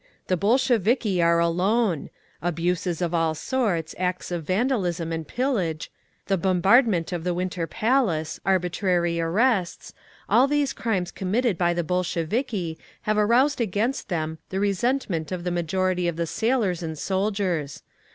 The Bolsheviki are alone! Abuses of all sorts, acts of vandalism and pillage, the bombardment of the Winter Palace, arbitrary arrests—all these crimes committed by the Bolsheviki have aroused against them the resentment of the majority of the sailors and soldiers.